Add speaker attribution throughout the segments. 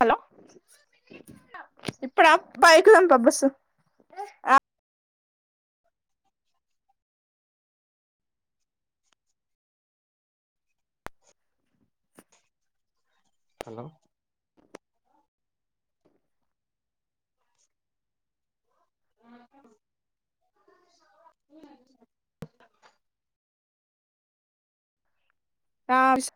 Speaker 1: hello ఇప్పుడా ఆ పైకి రాంప బస్సు
Speaker 2: హలో [inaudible]
Speaker 1: రావ్స్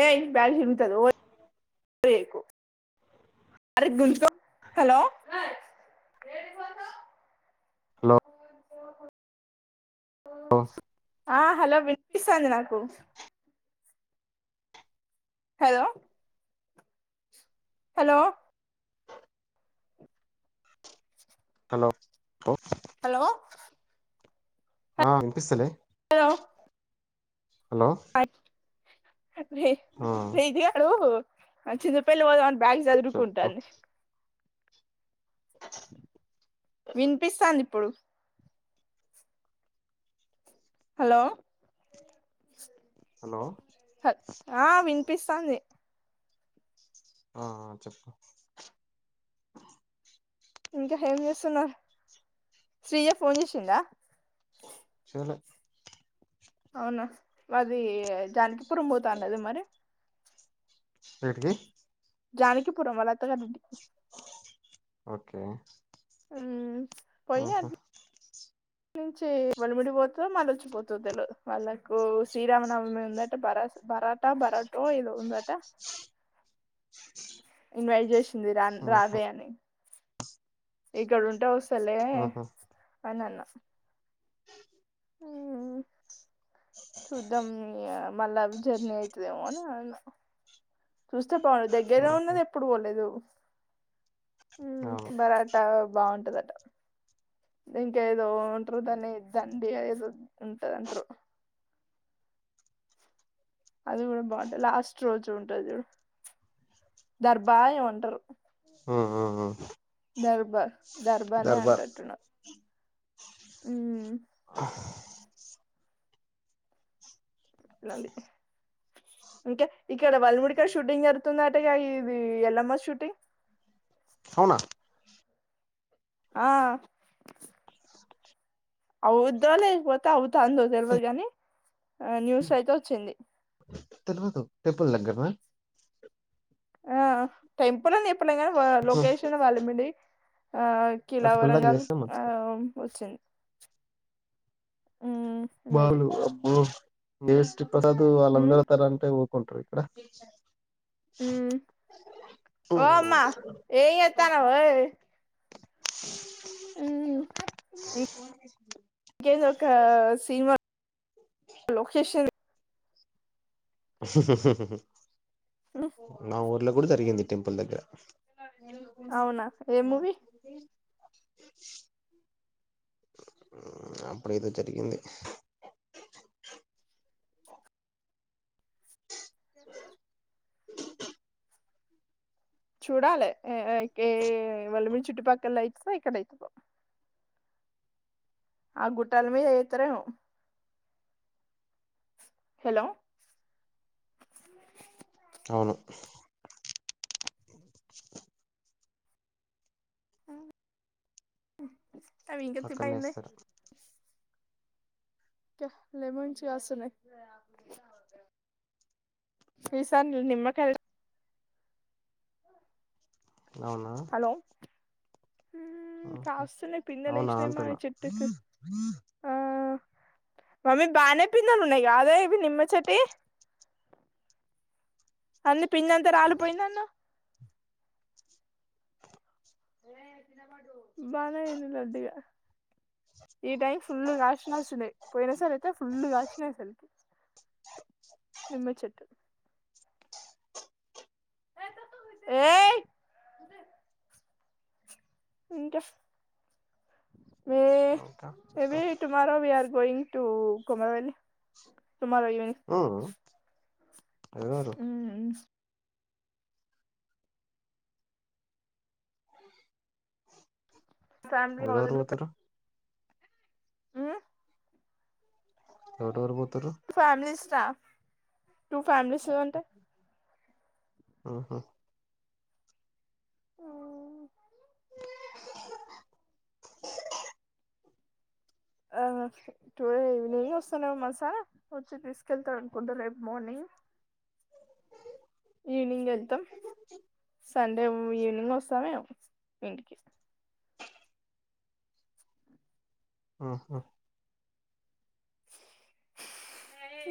Speaker 1: ఏయ్ ప్యాంట్ చిరుగుతాది రోయ్ నీకు అరె గుంజ్జుగో హలో
Speaker 2: హలో
Speaker 1: ఆ హలో వినిపిస్తంది నాకు హలో హలో
Speaker 2: హలో
Speaker 1: హలో
Speaker 2: ఆ వినిపిస్తలే
Speaker 1: హలో
Speaker 2: హలో
Speaker 1: రే
Speaker 2: ఆ
Speaker 1: రేజియా హలో ఆ చిన్న పిల్ల వాళ్ళ నా బ్యాగ్
Speaker 2: చెప్పు
Speaker 1: సదురుకుంటంది వినిపిస్తాంది ఇప్పుడు హలో
Speaker 2: హలో
Speaker 1: ఆ వినిపిస్తాంది
Speaker 2: ఆ చెప్పు
Speaker 1: ఇంకా ఏం చేస్తున్నారు శ్రియ ఫోన్ చేసిందా
Speaker 2: చేయలే
Speaker 1: అవునా అది జానకిపురం పోతా అన్నది మరి
Speaker 2: ఎడికి
Speaker 1: జానికిపురం వాళ్ళ అత్తగారింటికి
Speaker 2: ఓకే
Speaker 1: మ్మ్
Speaker 2: మ్ హు
Speaker 1: చీ ఒలిముడిపోత మళ్ళొచ్చిపోతదొ తెల్వదు వాళ్ళకు శ్రీరామనవమి ఉందంట బరాస బ పరాటా బరాటో ఏదో ఉంద అట ఇన్వైట్ చేసింది రా
Speaker 2: ఆహా
Speaker 1: రావే అని ఇక్కడ ఉంటే వస్ స్తలే
Speaker 2: ఆహా
Speaker 1: అని అన్న మ్ చూద్దాం మళ్ళాయ జర్నీ అయితదేమో అని అన్న చూస్తే పోలే దగ్గర్లో
Speaker 2: ఆహా
Speaker 1: ఉన్నది ఎప్పుడు పోలేదు మ్
Speaker 2: అవును
Speaker 1: బరాట బాగుంటదట ఇంకేదో ఉంట్రు దాన్ని దండియ ఏదో ఉంటాది అంట్రు అది కూడా బాగుంటుంది లాస్ట్ రోజు ఉంటంది దర్బాయం అంటరు
Speaker 2: ఊ ఉ ఊ
Speaker 1: దర్బార్ దర్బనే అంటట్న్ ఊ నలి ఇంకా ఇక్కడ వల్ముూడికాడ షూటింగ్ జరుగుతుంద అటగా ఇది ఎల్లమ్మ షూటింగ్
Speaker 2: అవునా
Speaker 1: ఆ అవుద్దో లేకపోతే అవుతాందో తెలియదు కాని న్యూస్లొ అయితే వచ్చింది
Speaker 2: తెలవదు టెంపుల్ దగ్గరనా
Speaker 1: ఆ టెంపుల్ అని చెప్పుడ కానీ లొకేషన్ వాళ్ళ మండి ఆ కిలా
Speaker 2: టెంపుల్ దగ్గర
Speaker 1: వరంగాల్
Speaker 2: చేస్తే
Speaker 1: ఆ
Speaker 2: మంచిది
Speaker 1: వచ్చింది హ్మ్ మేబి
Speaker 2: బాలు అబ్బ నస్ ప్రసాదు
Speaker 1: హ్మ్
Speaker 2: వాళ్ళందరు తర అంటే ఊకుంటారు క్కడ
Speaker 1: ఓ అమ్మా ఏం చేస్తున్నావ్ ఏ
Speaker 2: అ
Speaker 1: ఇంకేది ఒక సినిమా లోకేషన్ హ్మ్
Speaker 2: నా ఊర్లో కూడా జరిగింది టెంపుల్ దగ్గర
Speaker 1: అవునా ఏ మూవి
Speaker 2: అప్పుడ ఏదో జరిగింది
Speaker 1: అపో చూడాలి వల్లమరు చుట్టుపక్కల అవుతుందా ఇక్కడవుతుందో ఆ గుట్టాల మీద చేత్తోరేమొ హలో
Speaker 2: అవును
Speaker 1: అవింక తి
Speaker 2: అక్కడనే
Speaker 1: పోయింద
Speaker 2: ఇస్తారు
Speaker 1: లెమన్స్ కాస్తున్నాయి ఈసారి చూడు నిమ్మకాయలు
Speaker 2: అవునా ఆహా
Speaker 1: కాసున్నాయ్
Speaker 2: అవునా
Speaker 1: పిండలేస్తున్నాయి మా
Speaker 2: అంటున్నా
Speaker 1: చెట్టుకి ఆ మమ్మీ బనె పిందెగున్నాయి అద ఇవి నిమ్మచిటీ అన్నీ పిందంతా రాలిపోయిందన్నావ్ బానే అయింది లడ్డుగా ఈ టైం ఫుల్లు కాసినాల్సినయి పోయిన సర అయితే ఫుల్ కాసినయి సరికి నిమ్మచ్చిట్టు ఏ ఇంక
Speaker 2: ఇంకా చెప్పాలి
Speaker 1: టూ కుమల వెళ తుమారుని
Speaker 2: ఉమ్ ఎవరెవరు
Speaker 1: ఫ్యామిలీద
Speaker 2: ఎవరెవరు
Speaker 1: [inaudible]
Speaker 2: పోతుర్రు ఎవరెవరు పోతుర్రు
Speaker 1: ఫ్ టూ ఫ్యామిలీస్ అంటే
Speaker 2: ఊహూ
Speaker 1: ఆ టుడే ఈవినింగ్ వస్తన్నా మాట వచ్చి తీసుకెళ్తారు అనుకుంటా రేపు మార్నింగ్ ఈవినింగ్ ఎళ్తాం సం ఈవెనింగ్ వెళ్ళొస్తా ఇంటికి
Speaker 2: ఆహా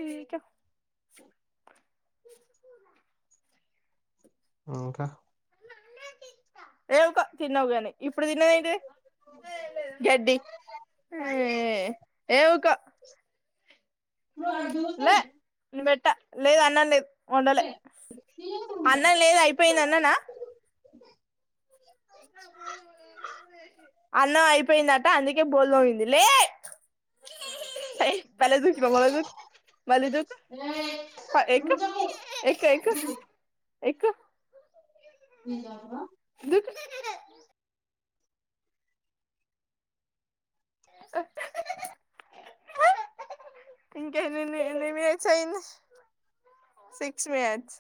Speaker 1: ఇంకా
Speaker 2: ఇంకా
Speaker 1: ఏ ఉకో తినలేదు కాని ఇప్పుడు తినేదైతే గడ్డి ఏవుకో
Speaker 2: [unintelligible]
Speaker 1: నేను పెట్ట లేదు అన్నం లేదు వండలే అన్నం లేదు అయిపోయింది అన్ననా అన్నం అయిపోయిందట అందుకే బోల్ంయింది లే బలేచూసినవు లే వదులు మళ్ళీ దూకు ఎక్కు ఎక్కు ఎక్కు ఎక్కు
Speaker 2: ఇ [unintelligible]
Speaker 1: ద అ ఇంకా నేనేమి చెయ్యను సిక్స్ మినిట్స్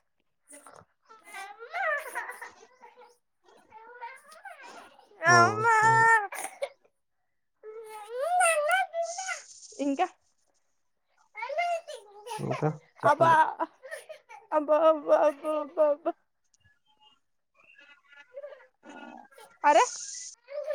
Speaker 2: హ్మ్మ్
Speaker 1: అమ్మా
Speaker 2: హు
Speaker 1: ఇంకా
Speaker 2: ఇంకా
Speaker 1: అబ్బా
Speaker 2: చెప్పాలి
Speaker 1: అబ్బా అబ్బా అబ్బా అబ్బా అబ్బా అరే
Speaker 2: అ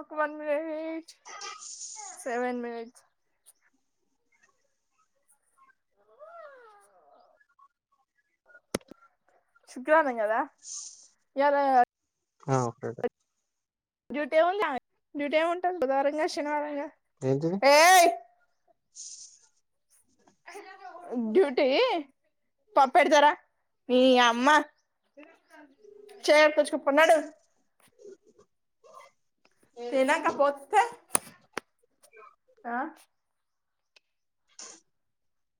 Speaker 1: ఒక వన్ మినిట్ సెవెన్ మినిట్స్ శుక్రవారం కాదా యారు
Speaker 2: ఆ బయటే
Speaker 1: డ్యూటీ ఏ ఉంది డ్యూటీ ఏమి ఉంటారు బుదారంగా శనారంగా
Speaker 2: ఏంటిది
Speaker 1: డ్యూటీ పప్పెడతారా నీ అమ్మ చేు వత్తున్నాడు తినకపొత్తే ఆ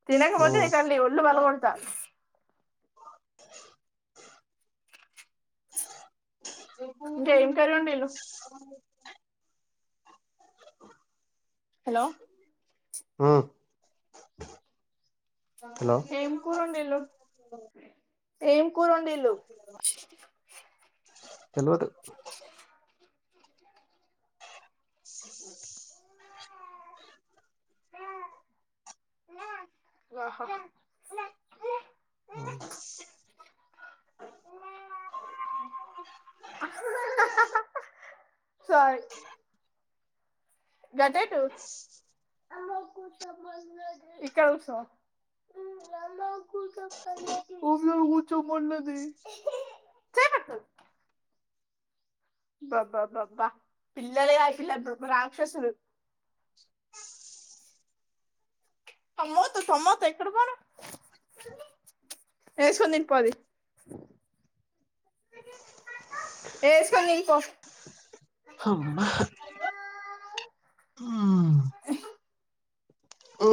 Speaker 1: తినకపోతే నీ
Speaker 2: ఉమ్
Speaker 1: తల్లి ఒళ్ళు పాల్గొడతా ఇంకా ఇంక ఏం లేదు హలో
Speaker 2: హు
Speaker 1: ఏం కూర వండాలి ఏం కురండలు
Speaker 2: తెలువదు
Speaker 1: ఆహా
Speaker 2: ఆ
Speaker 1: సారి గట్టు ఎటు ఇక్కడ కూసో అయ్యొ కూర్చోమన్నది చే బాబ్బా బాబ్బా పిల్లలు కాదు బ్రహ్మ రాక్షసులు టమోటా టమోట ఎక్కడ పోన వేసుకొని తినుపో అది ఏ స్కోన్తిను పో
Speaker 2: అమ్మ
Speaker 1: అ
Speaker 2: ఊ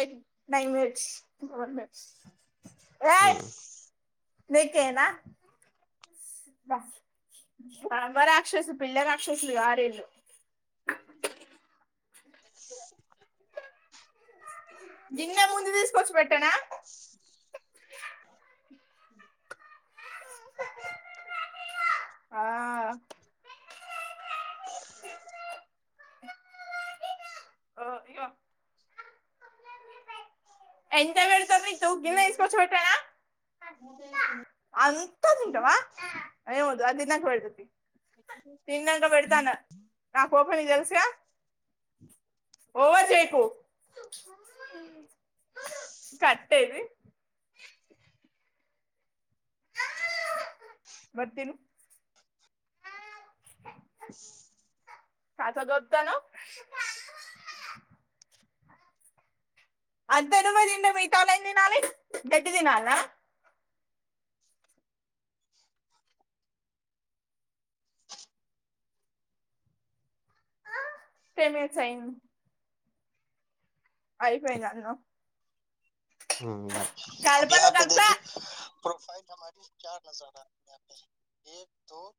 Speaker 1: ఎట్ నైన్ మనిట్స్ ఇంకా వన్ మినిట్
Speaker 2: హ్మ్
Speaker 1: మీకేనా బ్రహ్మ రాక్షసుడు పిల్ల రాక్షసలు కాదీళ్ళు గిన్నెలో ముందు తీసుకొచ్చి పెట్టరా ఆ ఓ ఇగో ఎంత పెడతారు నీకు గిన్నె తీసుకొచ్చి పెట్టనా అంత తింటావా ఏం వద్దు అది తిన్నాక పెడతా తి తిన్నాక పెడతాను అన్న నా కోపం నీకు తెలుసుగా ఓవర్ చేయకు కట్టేది మరి తిను తాతకు చెప్తా అన్నావ్ అ అంత నువ్వే తింటే మిగతా వాళ్ళు ఎం తినాలి గడ్డి తినాలన టెన్ మినిట్స్ అయింది అయిపోయిందా
Speaker 2: మంచిది యా
Speaker 1: కలపను కలుపుతా
Speaker 2: పెద్దయ్యకి [unintelligible]